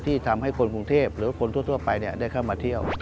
ที่ทำให้คนกรุงเทพหรือคนทั่วไปได้เข้ามาเที่ยว